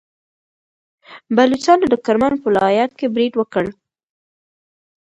بلوڅانو د کرمان پر ولایت برید وکړ.